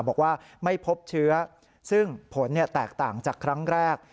บอกว่าไม่พบเชื้อซึ่งผลแตกต่างจากครั้งแรก